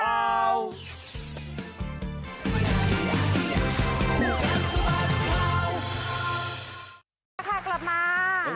แล้วพักกันกลับมา